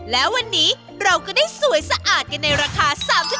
แล้ววันนี้เราก็ได้สวยสะอาดกันในราคา๓๔บาทค่ะ